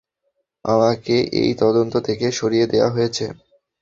আমাকে এই তদন্ত থেকে সরিয়ে দেওয়া হয়েছে।